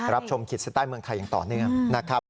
รับชมขีดเส้นใต้เมืองไทยอย่างต่อเนื่องนะครับ